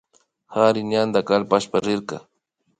Kari ñanda kalpashpa rirka